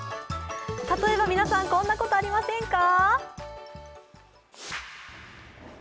例えば皆さん、こんなことありませんか？